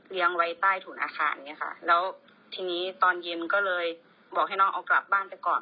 ไว้ใต้ถุนอาคารอย่างนี้ค่ะแล้วทีนี้ตอนเย็นก็เลยบอกให้น้องเอากลับบ้านไปก่อน